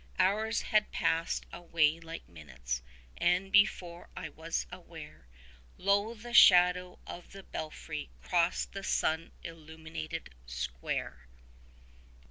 Hours had passed away like minutes; and, before I was aware, Lo! the shadow of the belfry crossed the sun illumined square.